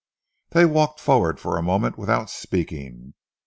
They walked forward for a moment without speaking.